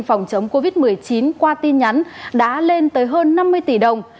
phòng chống covid một mươi chín qua tin nhắn đã lên tới hơn năm mươi tỷ đồng